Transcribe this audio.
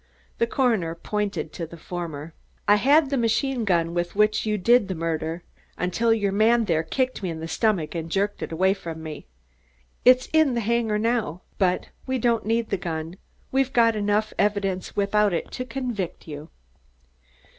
The coroner pointed to the former. "I had the machine gun with which you did the murder until your man there kicked me in the stomach and jerked it away from me. It's in the hangar now. But we don't need the gun, we've got enough evidence without it to convict you."